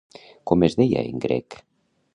Com es deia en grec?